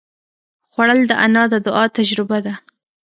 خوړل د انا د دعا تجربه ده